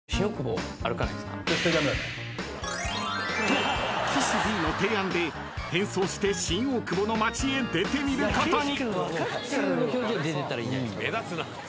［と岸Ｄの提案で変装して新大久保の街へ出てみることに］